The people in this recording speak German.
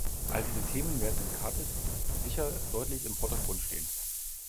Alle diese Themen werden in Cardiff sicher deutlich im Vordergrund stehen.